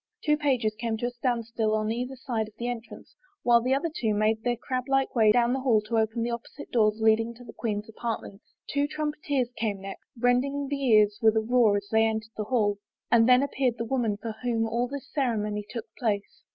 Two pages came to a standstill on either side of the entrance while the other two made their crab like way down the hall to open the opposite doors leading to the queen's apart ments. Two trumpeters came next, rending the ears with a roar as they entered the hall, and then appeared the woman for whom all this ceremony took place.